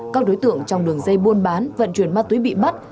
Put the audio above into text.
các đối tượng trong đường dây buôn bán vận chuyển ma túy bị bắt